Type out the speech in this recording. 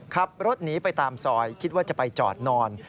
ขับรถหนีไปตามซอยคิดว่าจะไปจอดนอน